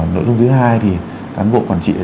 đồng thời là có các tấn công thử nghiệm